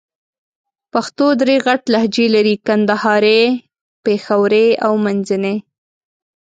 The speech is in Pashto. پښتو درې غټ لهجې لرې: کندهارۍ، پېښورۍ او منځني.